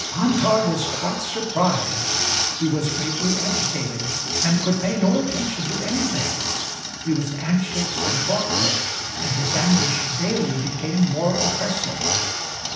Antar was quite surprised; he was greatly agitated, and could pay no attention to anything; he was anxious and thoughtful, and his anguish daily became more oppressive.